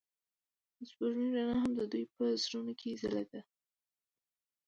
د سپوږمۍ رڼا هم د دوی په زړونو کې ځلېده.